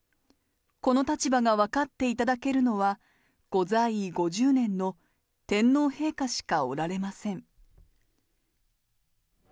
この立場が分かっていただけるのは、ご在位５０年の天皇陛下しかおられません。